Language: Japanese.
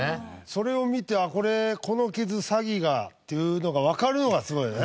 それを見て「ああこれこの傷サギが」っていうのがわかるのがすごいよね。